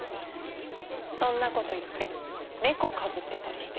そんなこと言って猫かぶってたりして。